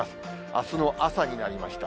あすの朝になりました。